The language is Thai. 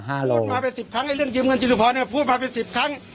พูดมาไป๑๐ครั้งไอ้เรื่องยืมกันจุฬิพรเนี่ยพูดมาไป๑๐ครั้ง